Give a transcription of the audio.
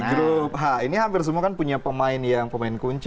grup h ini hampir semua kan punya pemain kunci